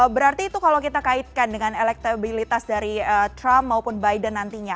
berarti itu kalau kita kaitkan dengan elektabilitas dari trump maupun biden nantinya